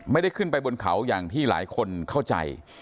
ไม่ได้ขึ้นไปบนเขาอย่างที่หลายคนเข้าใจ